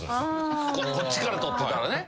こっちから撮ってたらね。